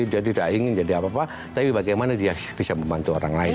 dia tidak ingin jadi apa apa tapi bagaimana dia bisa membantu orang lain